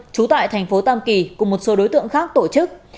trú tại thành phố tam kỳ cùng một số đối tượng khác tổ chức